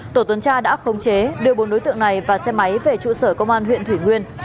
tổ tuần tra đã khống chế đưa bốn đối tượng này và xe máy về trụ sở công an huyện thủy nguyên